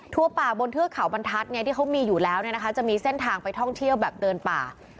ป่าบนเทือกเขาบรรทัศน์ที่เขามีอยู่แล้วจะมีเส้นทางไปท่องเที่ยวแบบเดินป่า